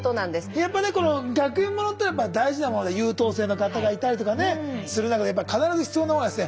やっぱねこの学園ものっていうのはやっぱ大事なもので優等生の方がいたりとかねする中でやっぱ必ず必要なものはですね